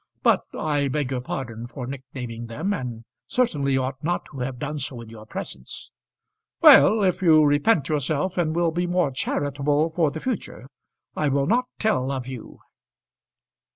But I beg your pardon for nicknaming them, and certainly ought not to have done so in your presence." "Well; if you repent yourself, and will be more charitable for the future, I will not tell of you."